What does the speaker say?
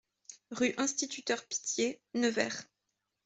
Rue Instituteur Pittié, Nevers